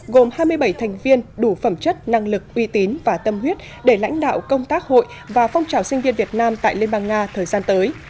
gồm hai mươi bảy thành viên đủ phẩm chất năng lực uy tín và tâm huyết để lãnh đạo công tác hội và phong trào sinh viên việt nam tại liên bang nga thời gian tới